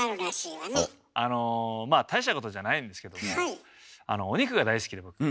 まあ大したことじゃないんですけどもお肉が大好きで僕。